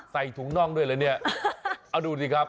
ใส่ถุงน่องด้วยเหรอเนี่ยเอาดูสิครับ